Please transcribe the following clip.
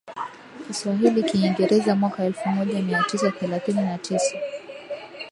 Kiswahili Kiingereza mwaka elfumoja miatisa thelathini na tisa